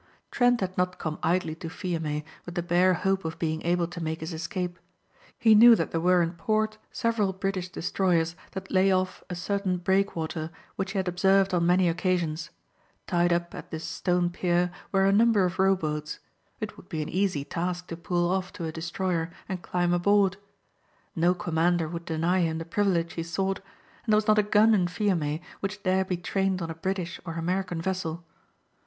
Trent had not come idly to Fiume with the bare hope of being able to make his escape. He knew that there were in port several British destroyers that lay off a certain breakwater which he had observed on many occasions. Tied up at this stone pier were a number of rowboats. It would be an easy task to pull off to a destroyer and climb aboard. No commander would deny him the privilege he sought and there was not a gun in Fiume which dare be trained on a British or American vessel.